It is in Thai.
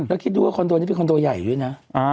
แล้วคิดดูว่าคอนโดนี้เป็นคอนโดใหญ่ด้วยนะ